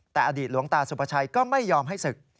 แต่อดีตหลวงตาสุภาชัยก็ไม่ยอมให้ศึก